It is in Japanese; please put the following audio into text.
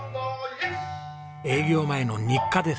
営業前の日課です。